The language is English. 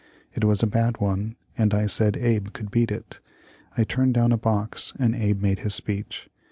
It was a bad one, and I said Abe could beat it. I turned down a box and Abe made his speech.